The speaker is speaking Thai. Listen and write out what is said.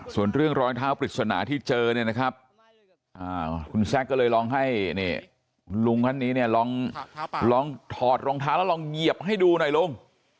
ส่วนเรื่องรอยเท้าปริศนาที่เจอเนี่ยนะครับคุณแซคก็เลยลองให้ลุงท่านนี้เนี่ยลองถอดรองเท้าแล้วลองเหยียบให้ดูหน่อยลุง